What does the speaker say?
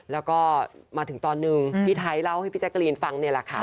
แล้วก็มาถึงตอนหนึ่งพี่ไทยเล่าให้พี่แจกรีนฟังนี่แหละค่ะ